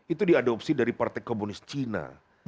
itu diadopsi dari partai komunis cina